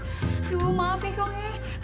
aduh maaf ya kong eh